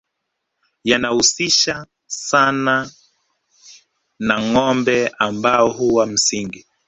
yanahusika sana na ngombe ambao huwa msingi